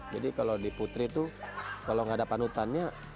jadi kalau di putri tuh kalau nggak ada panutannya dia akan lupa